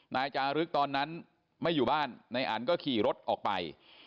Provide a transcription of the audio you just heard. นายจารึกตอนนั้นไม่อยู่บ้านนายอันก็ขี่รถออกไป